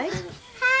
はい。